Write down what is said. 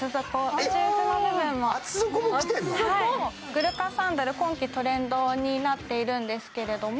グルカサンダル、今季トレンドになっているんですけれども。